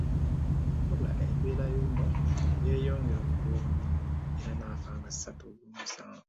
Wabula embeera yono yeyongera okuba obubi era naafa nga ssatu ogw'omusanvu